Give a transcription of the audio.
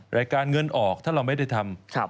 รายการเงินออกถ้าเราไม่ได้ทำ